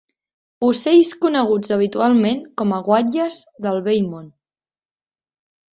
Ocells coneguts habitualment com a guatlles del Vell Món.